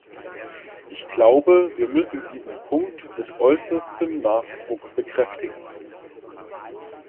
Ich glaube, wir müssen diesen Punkt mit äußerstem Nachdruck bekräftigen.